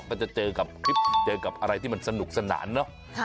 ก็จะเจอกับคลิปเจอกับอะไรที่มันสนุกสนานเนอะ